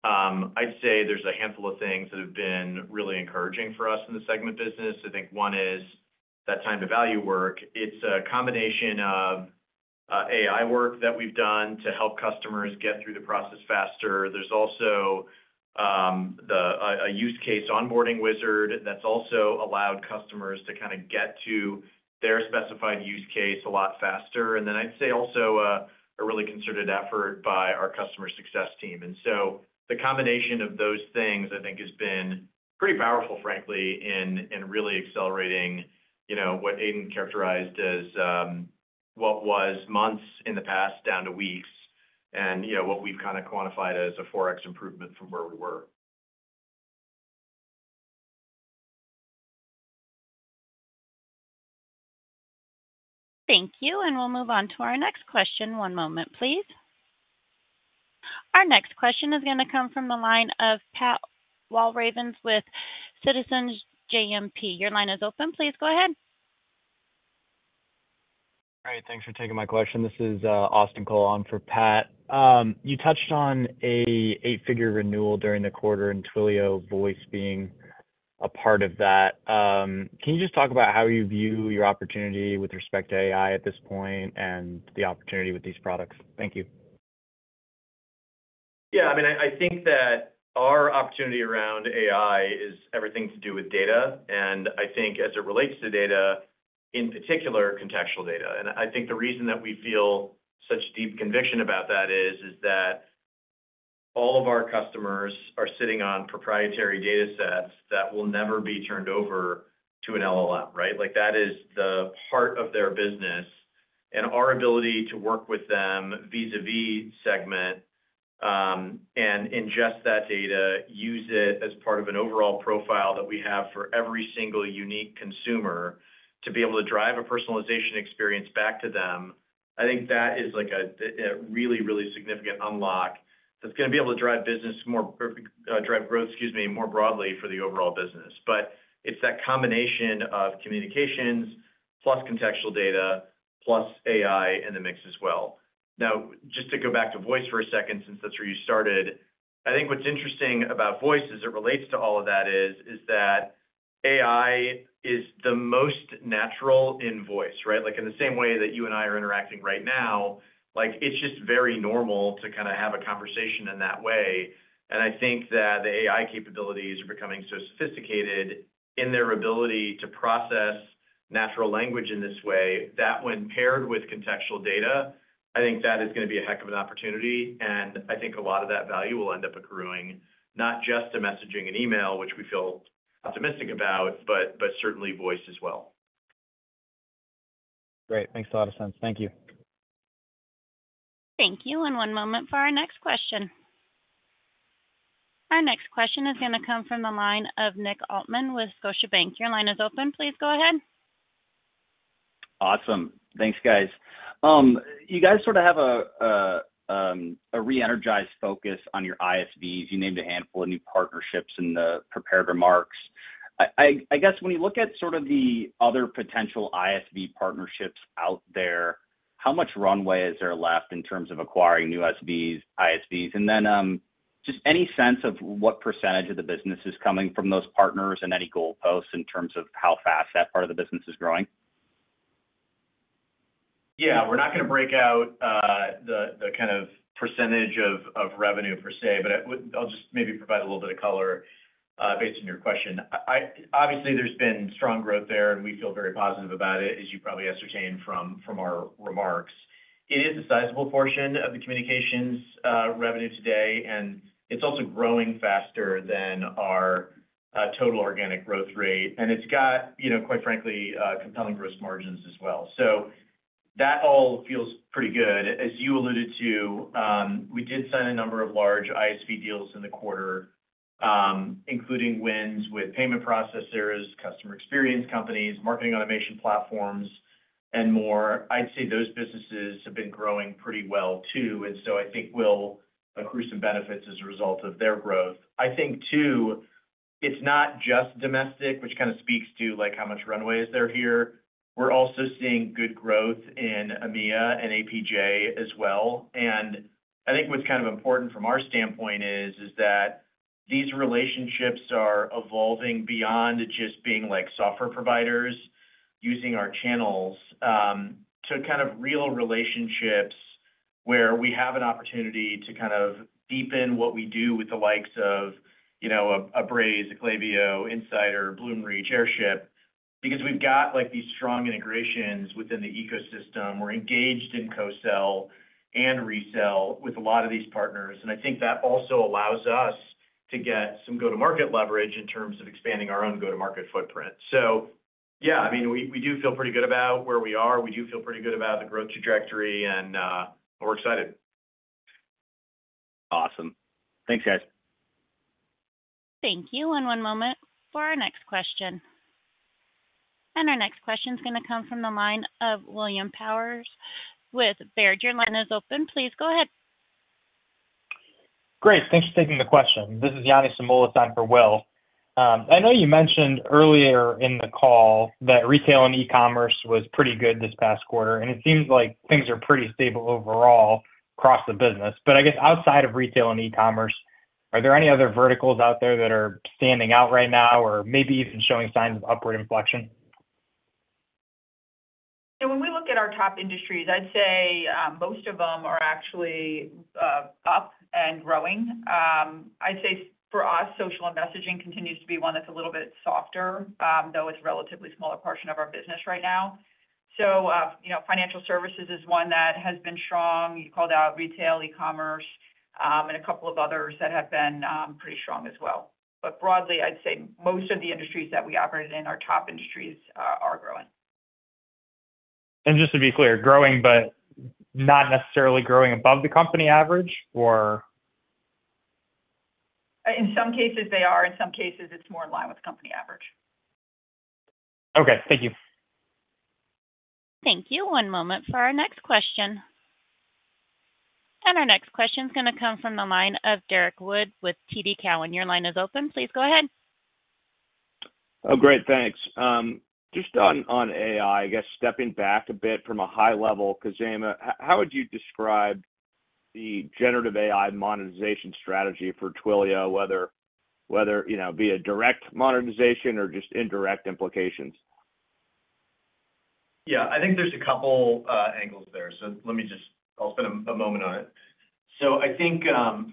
I'd say there's a handful of things that have been really encouraging for us in the Segment business. I think one is that time to value work. It's a combination of AI work that we've done to help customers get through the process faster. There's also a use case onboarding wizard that's also allowed customers to kind of get to their specified use case a lot faster. And then I'd say also a really concerted effort by our customer success team. And so the combination of those things, I think, has been pretty powerful, frankly, in really accelerating, you know, what Aidan characterized as what was months in the past down to weeks, and, you know, what we've kind of quantified as a 4x improvement from where we were. Thank you, and we'll move on to our next question. One moment, please. Our next question is going to come from the line of Pat Walravens with Citizens JMP. Your line is open. Please go ahead. Thanks for taking my question. This is Austin Cole on for Pat. You touched on an eight-figure renewal during the quarter in Twilio Voice being a part of that. Can you just talk about how you view your opportunity with respect to AI at this point and the opportunity with these products? Thank you. Yeah, I mean, I think that our opportunity around AI is everything to do with data, and I think as it relates to data, in particular, contextual data. And I think the reason that we feel such deep conviction about that is that all of our customers are sitting on proprietary data sets that will never be turned over to an LLM, right? Like, that is the heart of their business, and our ability to work with them vis-à-vis Segment, and ingest that data, use it as part of an overall profile that we have for every single unique consumer to be able to drive a personalization experience back to them, I think that is like a really, really significant unlock that's going to be able to drive business more, or drive growth, excuse me, more broadly for the overall business. But it's that combination of communications, plus contextual data, plus AI in the mix as well. Now, just to go back to voice for a second, since that's where you started, I think what's interesting about voice as it relates to all of that is that AI is the most natural in voice, right? Like, in the same way that you and I are interacting right now, like, it's just very normal to kind of have a conversation in that way. And I think that the AI capabilities are becoming so sophisticated in their ability to process natural language in this way, that when paired with contextual data, I think that is going to be a heck of an opportunity, and I think a lot of that value will end up accruing, not just to messaging and email, which we feel optimistic about, but certainly voice as well. Great. Makes a lot of sense. Thank you. Thank you, and one moment for our next question. Our next question is going to come from the line of Nick Altmann with Scotiabank. Your line is open. Please go ahead. Awesome. Thanks, guys. You guys sort of have a re-energized focus on your ISVs. You named a handful of new partnerships in the prepared remarks. I guess when you look at sort of the other potential ISV partnerships out there, how much runway is there left in terms of acquiring new SVs, ISVs? And then, just any sense of what percentage of the business is coming from those partners and any goalposts in terms of how fast that part of the business is growing? Yeah, we're not going to break out, the kind of percentage of, of revenue per se, but I'll just maybe provide a little bit of color, based on your question. Obviously, there's been strong growth there, and we feel very positive about it, as you probably ascertained from, from our remarks. It is a sizable portion of the communications, revenue today, and it's also growing faster than our, total organic growth rate, and it's got, you know, quite frankly, compelling gross margins as well. So that all feels pretty good. As you alluded to, we did sign a number of large ISV deals in the quarter, including wins with payment processors, customer experience companies, marketing automation platforms, and more. I'd say those businesses have been growing pretty well, too, and so I think we'll accrue some benefits as a result of their growth. I think, too, it's not just domestic, which kind of speaks to, like, how much runway is there here. We're also seeing good growth in EMEA and APJ as well. And I think what's kind of important from our standpoint is that these relationships are evolving beyond just being like software providers, using our channels, to kind of real relationships where we have an opportunity to kind of deepen what we do with the likes of, you know, Braze, Klaviyo, Insider, Bloomreach, Airship, because we've got these strong integrations within the ecosystem. We're engaged in co-sell and resell with a lot of these partners, and I think that also allows us to get some go-to-market leverage in terms of expanding our own go-to-market footprint. So, yeah, I mean, we, we do feel pretty good about where we are. We do feel pretty good about the growth trajectory, and we're excited. Awesome. Thanks, guys. Thank you. One moment for our next question. Our next question is going to come from the line of Will Power with Baird. Your line is open. Please go ahead. Great, thanks for taking the question. This is Yanni Samoilis on for Will. I know you mentioned earlier in the call that retail and e-commerce was pretty good this past quarter, and it seems like things are pretty stable overall across the business. But I guess outside of retail and e-commerce, are there any other verticals out there that are standing out right now or maybe even showing signs of upward inflection? So when we look at our top industries, I'd say, most of them are actually, up and growing. I'd say for us, social and messaging continues to be one that's a little bit softer, though it's a relatively smaller portion of our business right now. So, you know, financial services is one that has been strong. You called out retail, e-commerce, and a couple of others that have been, pretty strong as well. But broadly, I'd say most of the industries that we operate in, our top industries, are growing. Just to be clear, growing, but not necessarily growing above the company average, or? In some cases, they are. In some cases, it's more in line with company average. Okay, thank you. Thank you. One moment for our next question. Our next question is going to come from the line of Derrick Wood with TD Cowen. Your line is open. Please go ahead. Oh, great, thanks. Just on AI, I guess stepping back a bit from a high level, Khozema, how would you describe the generative AI monetization strategy for Twilio, whether, you know, via direct monetization or just indirect implications? Yeah, I think there's a couple angles there. So let me just, I'll spend a moment on it. So I think,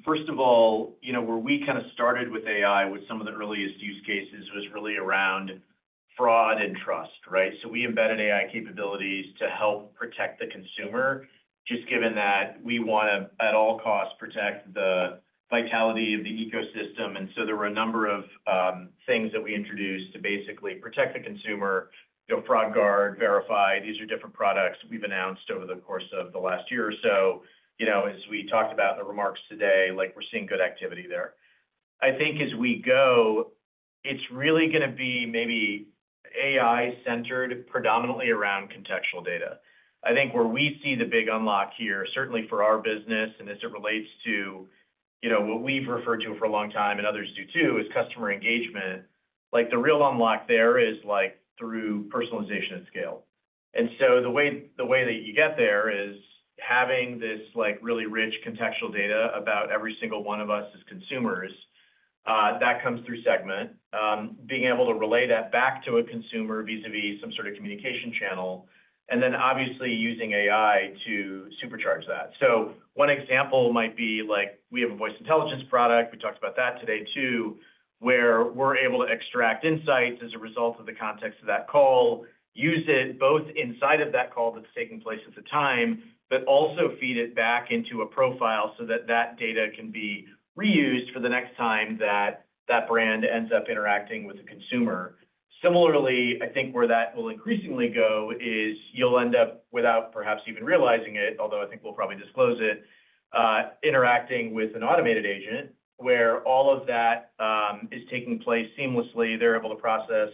first of all, you know, where we kind of started with AI, with some of the earliest use cases, was really around fraud and trust, right? So we embedded AI capabilities to help protect the consumer, just given that we want to, at all costs, protect the vitality of the ecosystem. And so there were a number of things that we introduced to basically protect the consumer, you know, Fraud Guard, Verify. These are different products we've announced over the course of the last year or so. You know, as we talked about in the remarks today, like, we're seeing good activity there. I think as we go, it's really going to be maybe AI-centered, predominantly around contextual data. I think where we see the big unlock here, certainly for our business, and as it relates to, you know, what we've referred to for a long time and others do, too, is customer engagement. Like, the real unlock there is, like, through personalization at scale. And so the way, the way that you get there is having this, like, really rich contextual data about every single one of us as consumers, that comes through Segment, being able to relay that back to a consumer vis-a-vis some sort of communication channel, and then obviously using AI to supercharge that. So one example might be, like, we have a Voice Intelligence product, we talked about that today, too, where we're able to extract insights as a result of the context of that call, use it both inside of that call that's taking place at the time, but also feed it back into a profile so that that data can be reused for the next time that that brand ends up interacting with the consumer. Similarly, I think where that will increasingly go is you'll end up, without perhaps even realizing it, although I think we'll probably disclose it, interacting with an automated agent where all of that is taking place seamlessly. They're able to process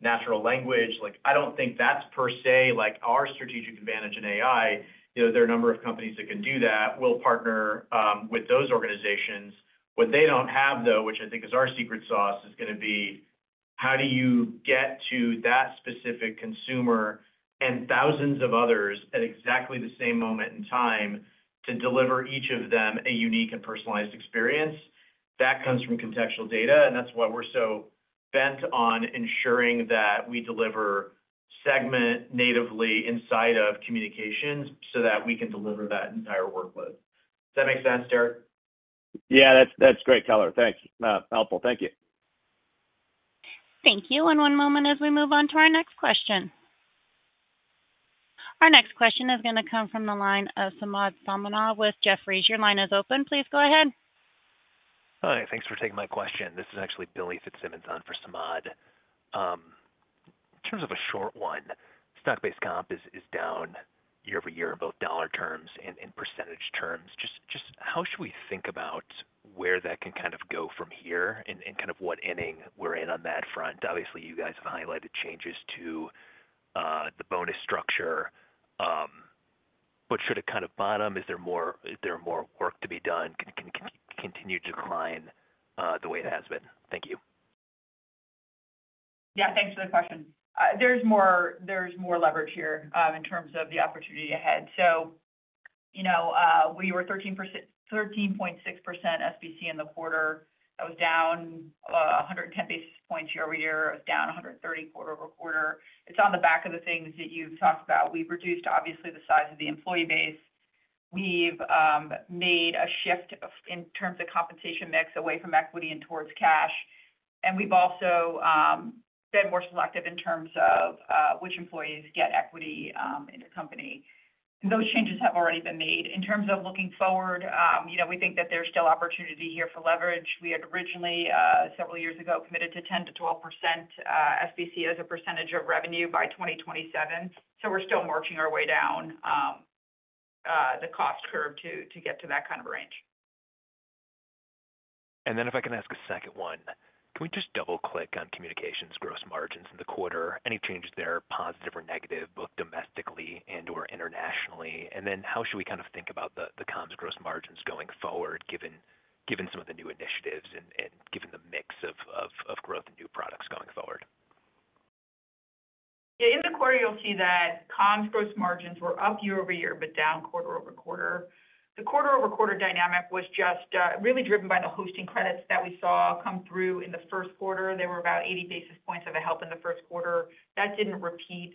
natural language. Like, I don't think that's per se, like, our strategic advantage in AI. You know, there are a number of companies that can do that. We'll partner with those organizations. What they don't have, though, which I think is our secret sauce, is going to be, how do you get to that specific consumer and thousands of others at exactly the same moment in time to deliver each of them a unique and personalized experience? That comes from contextual data, and that's why we're so bent on ensuring that we deliver Segment natively inside of communications so that we can deliver that entire workload. Does that make sense, Derrick? Yeah, that's, that's great color. Thanks. Helpful. Thank you. Thank you. One moment as we move on to our next question. Our next question is going to come from the line of Samad Samana with Jefferies. Your line is open. Please go ahead. Hi, thanks for taking my question. This is actually Billy Fitzsimmons on for Samad. In terms of a short one, stock-based comp is down year over year in both dollar terms and in percentage terms. Just how should we think about where that can kind of go from here and kind of what inning we're in on that front? Obviously, you guys have highlighted changes to the bonus structure, but should it kind of bottom? Is there more work to be done? Can it continue to decline the way it has been? Thank you. Yeah, thanks for the question. There's more, there's more leverage here, in terms of the opportunity ahead. So, you know, we were 13%--13.6% SBC in the quarter. That was down, 110 basis points year-over-year. It was down 130 quarter-over-quarter. It's on the back of the things that you've talked about. We've reduced, obviously, the size of the employee base. We've made a shift of, in terms of compensation mix, away from equity and towards cash. And we've also been more selective in terms of, which employees get equity, in the company. Those changes have already been made. In terms of looking forward, you know, we think that there's still opportunity here for leverage. We had originally, several years ago, committed to 10%-12% SBC as a percentage of revenue by 2027. So we're still marching our way down the cost curve to get to that kind of range. Then if I can ask a second one, can we just double click on communications gross margins in the quarter? Any changes there, positive or negative, both domestically and/or internationally? And then how should we kind of think about the comms gross margins going forward, given some of the new initiatives and given the mix of growth and new products going forward? Yeah, in the quarter, you'll see that comms gross margins were up year-over-year, but down quarter-over-quarter. The quarter-over-quarter dynamic was just really driven by the hosting credits that we saw come through in the first quarter. They were about 80 basis points of a help in the first quarter. That didn't repeat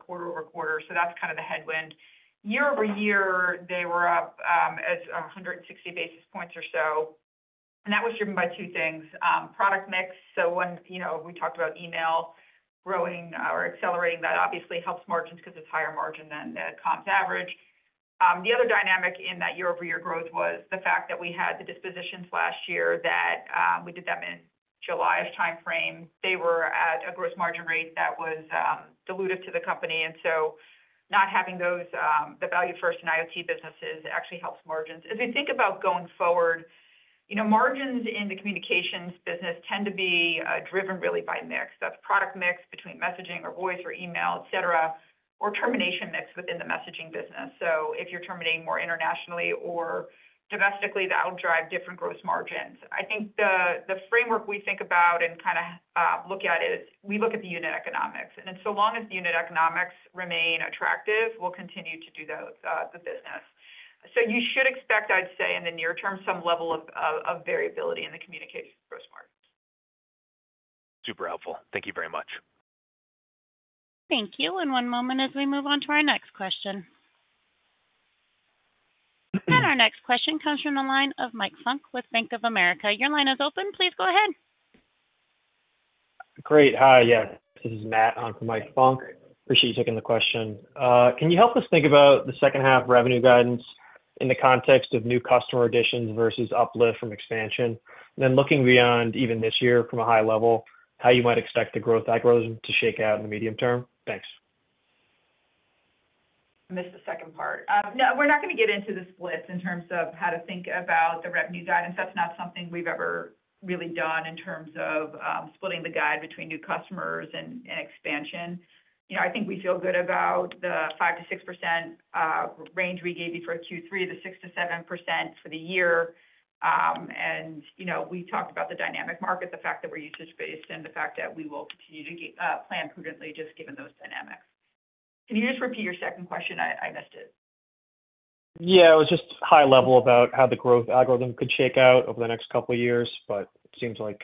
quarter-over-quarter, so that's kind of the headwind. Year-over-year, they were up as 160 basis points or so, and that was driven by two things. Product mix. So when, you know, we talked about email growing or accelerating, that obviously helps margins because it's higher margin than the comms average. The other dynamic in that year-over-year growth was the fact that we had the dispositions last year that we did them in July's timeframe. They were at a gross margin rate that was dilutive to the company, and so not having those, the ValueFirst and IoT businesses actually helps margins. As we think about going forward. You know, margins in the communications business tend to be driven really by mix. That's product mix between messaging or voice or email, et cetera, or termination mix within the messaging business. So if you're terminating more internationally or domestically, that will drive different gross margins. I think the framework we think about and kind of look at is we look at the unit economics, and then so long as the unit economics remain attractive, we'll continue to do those, the business. So you should expect, I'd say, in the near term, some level of variability in the communication gross margins. Super helpful. Thank you very much. Thank you. And one moment as we move on to our next question. And our next question comes from the line of Mike Funk with Bank of America. Your line is open. Please go ahead. Great. Hi, yeah. This is Matt on for Mike Funk. Appreciate you taking the question. Can you help us think about the second half revenue guidance in the context of new customer additions versus uplift from expansion? Then looking beyond even this year from a high level, how you might expect the growth algorithm to shake out in the medium term? Thanks. I missed the second part. No, we're not going to get into the splits in terms of how to think about the revenue guidance. That's not something we've ever really done in terms of splitting the guide between new customers and expansion. You know, I think we feel good about the 5%-6% range we gave you for Q3, the 6%-7% for the year. And, you know, we talked about the dynamic market, the fact that we're usage-based, and the fact that we will continue to plan prudently just given those dynamics. Can you just repeat your second question? I missed it. Yeah, it was just high level about how the growth algorithm could shake out over the next couple of years, but it seems like,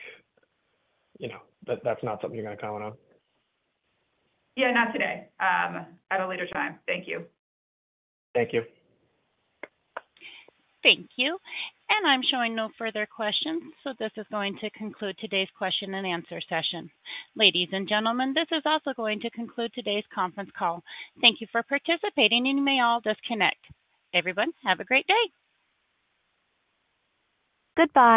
you know, that-that's not something you're going to comment on. Yeah, not today. At a later time. Thank you. Thank you. Thank you. I'm showing no further questions, so this is going to conclude today's question and answer session. Ladies and gentlemen, this is also going to conclude today's conference call. Thank you for participating, and you may all disconnect. Everyone, have a great day! Goodbye.